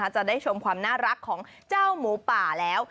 จะได้ชมความน่ารักของเจ้าหมูป่าแล้ว